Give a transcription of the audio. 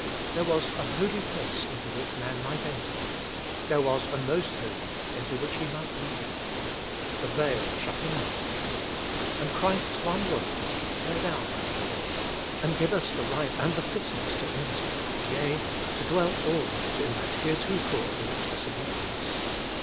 There was a Holy Place into which man might enter. There was a Most Holy into which he might not enter. The veil shut him out. And Christ's one work was to tear down that veil, and give us the right and the fitness to enter, yea to dwell always in that heretofore inaccessible place.